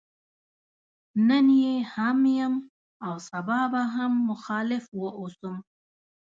نن يې هم يم او سبا به هم مخالف واوسم.